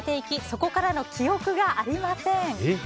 そこからの記憶がありません。